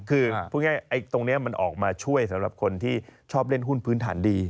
คือพูดง่ายตรงนี้มันออกมาช่วยสำหรับคนที่ชอบเล่นหุ้นพื้นฐานดี